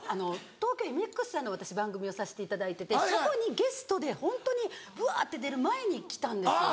ＴＯＫＹＯＭＸさんの私番組をさせていただいててそこにゲストでホントにブワって出る前に来たんですよね。